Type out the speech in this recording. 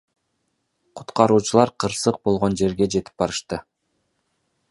Куткаруучулар кырсык болгон жерге жетип барышты.